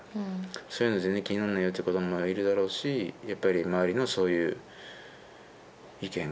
そういうの全然気にならないよっていう子どももいるだろうしやっぱり周りのそういう意見が意見というか聞かれ方がね。